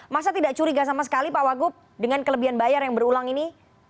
masa tidak curiga sama sekali pak wagup dengan kelebihan bayar yang berulang ini